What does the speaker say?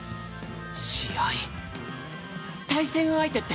試合対戦相手って？